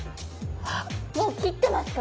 もう切ってますか？